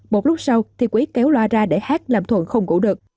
một lúc sau thì quý kéo loa ra để hát làm thuận không ngủ được